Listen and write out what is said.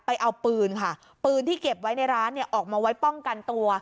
ไปเอาปืนค่ะปืนที่เก็บไว้ในร้านเนี่ยออกมาไว้ป้องกันตัว